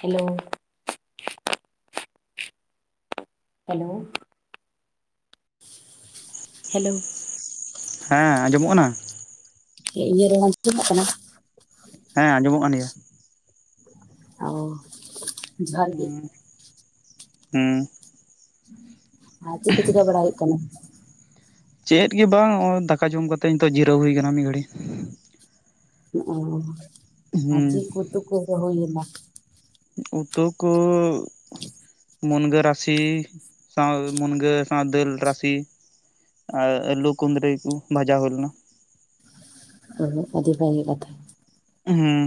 hello hello hello ᱦᱮᱸ ᱟᱸᱡᱚᱢᱚᱜ ᱠᱟᱱᱟ ᱤᱭᱟᱹ ᱤᱧᱟᱜ ᱨᱚᱲ ᱟᱹᱧᱡᱚᱢᱚᱜ ᱠᱟᱱᱟ ᱦᱮᱸ ᱟᱸᱡᱚᱢᱚᱜ ᱠᱟᱱ ᱜᱮᱭᱟ ᱚᱹ ᱡᱚᱦᱟᱨ ᱜᱮ ᱦᱩᱸ ᱦᱩᱸ ᱟᱨ ᱪᱮᱫ ᱠᱚ ᱪᱤᱠᱟᱹ ᱵᱟᱲᱟ ᱦᱩᱭᱩᱜ ᱠᱟᱱᱟ ᱪᱮᱫ ᱜᱮ ᱵᱟᱝ ᱱᱚᱜᱼᱚᱭ ᱫᱟᱠᱟ ᱡᱚᱢ ᱠᱟᱛᱮᱜ ᱱᱤᱛᱚᱜ ᱡᱤᱨᱟᱹᱣ ᱦᱩᱭ ᱠᱟᱱᱟ ᱢᱤᱫ ᱜᱷᱟᱹᱲᱤ ᱚᱹ ᱟᱨ ᱦᱩᱸ ᱪᱮᱫ ᱩᱛᱩ ᱠᱚ ᱦᱩᱭ ᱞᱮᱱᱟ ᱩᱛᱩ ᱠᱚ ᱢᱩᱱᱜᱟᱹ ᱨᱟᱥᱮ ᱥᱟᱶ ᱢᱩᱱᱜᱟᱹ ᱥᱟᱶ ᱫᱟᱹᱞ ᱨᱟᱥᱮ ᱟᱨ ᱟᱞᱩ ᱠᱩᱸᱫᱽᱨᱤ ᱠᱚ ᱵᱷᱟᱡᱟ ᱦᱩᱭ ᱞᱮᱱᱟ ᱚᱹ ᱟᱹᱰᱤ ᱵᱷᱟᱹᱜᱮ ᱠᱟᱛᱷᱟ ᱦᱩᱸ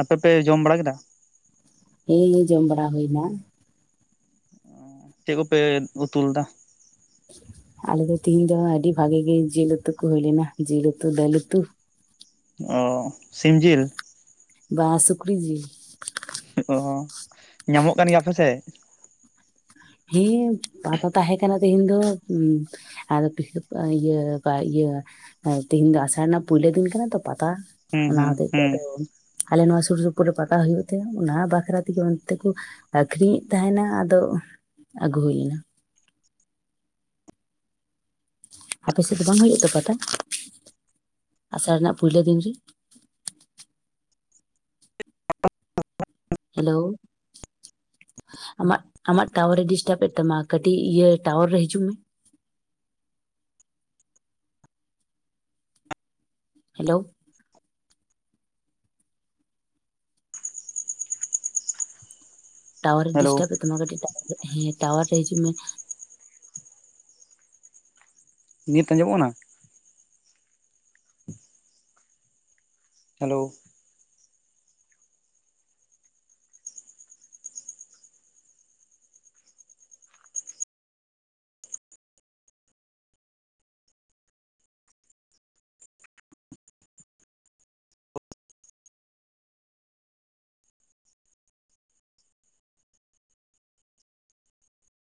ᱟᱯᱮ ᱯᱮ ᱡᱚᱢ ᱵᱟᱲᱟ ᱠᱮᱫᱟ ᱦᱮᱸ ᱡᱚᱢ ᱵᱟᱲᱟ ᱦᱩᱭᱮᱱᱟ ᱪᱮᱫ ᱠᱚᱯᱮ ᱩᱛᱩ ᱞᱮᱫᱟ ᱟᱞᱮ ᱫᱚ ᱛᱤᱦᱤᱧ ᱫᱚ ᱦᱟᱹᱜ ᱟᱰᱤ ᱵᱷᱟᱜᱮ ᱜᱮ ᱡᱤᱞ ᱩᱛᱩ ᱠᱚ ᱦᱩᱭ ᱞᱮᱱᱟ ᱡᱤᱞ ᱩᱛᱩ ᱫᱟᱹᱞ ᱩᱛᱩ ᱚ ᱥᱤᱢ ᱡᱤᱞ ᱵᱟᱝ ᱥᱩᱠᱨᱤ ᱡᱤᱞ ᱚ ᱧᱟᱢᱚᱜ ᱠᱟᱱ ᱜᱮᱭᱟ ᱟᱯᱮ ᱥᱮᱜ ᱛᱮᱦᱮᱱ ᱫᱚ ᱤᱭᱟᱹᱠᱟᱜ ᱤᱭᱟᱹ ᱛᱮᱦᱮᱱ ᱫᱚ ᱟᱥᱟᱲ ᱯᱩᱭ ᱞᱳᱫᱤᱧ ᱠᱟᱱᱟ ᱛᱚ ᱯᱟᱛᱟ ᱦᱩᱸ ᱚᱱᱟ ᱦᱩᱸ ᱦᱚᱛᱮᱜ ᱛᱮ ᱦᱩᱸ ᱟᱫᱚ ᱟᱞᱮ ᱱᱚᱣᱟ ᱥᱩᱨ ᱥᱩᱯᱩᱨ ᱨᱮ ᱯᱟᱛᱟ ᱦᱩᱭᱩᱜ ᱛᱮ ᱚᱱᱟ ᱵᱟᱠᱷᱨᱟ ᱛᱮᱜᱮ ᱚᱱᱛᱮ ᱠᱚ ᱟᱠᱷᱨᱤᱧᱮᱫ ᱛᱟᱦᱮᱱᱟ ᱟᱫᱚ ᱟᱹᱜᱩ ᱦᱩᱭ ᱞᱤᱱᱟᱹ ᱟᱯᱮ ᱥᱮᱫ ᱫᱚ ᱵᱟᱝ ᱦᱩᱭᱩᱜ ᱛᱮ ᱯᱟᱛᱟ ᱟᱥᱟᱲ ᱨᱮᱱᱟᱜ ᱯᱳᱭᱞᱳ ᱫᱤᱱ ᱨᱮ ᱦᱮᱞᱳ ᱟᱢᱟᱜ ᱟᱢᱟᱜ ᱴᱟᱣᱟᱨ ᱮ ᱰᱤᱥᱴᱟᱵ ᱮᱫ ᱛᱟᱢᱟ ᱠᱟᱹᱴᱤᱡ ᱤᱭᱟᱹ ᱴᱟᱣᱟᱨ ᱨᱮ ᱦᱤᱡᱩᱜ ᱢᱮ [inaudible] ᱦᱮᱞᱳ ᱴᱟᱣᱟᱨᱮ ᱦᱮᱞᱳ ᱰᱤᱥᱴᱟᱨᱵᱽ ᱮᱫ ᱛᱟᱢᱟ ᱠᱟᱹᱴᱤᱡ ᱦᱮᱸ ᱴᱟᱣᱟᱨ ᱨᱮ ᱦᱤᱡᱩᱜ ᱢᱮ ᱱᱤᱛ ᱟᱸᱡᱚᱢᱚᱜ ᱠᱟᱱᱟ ᱦᱮᱞᱳ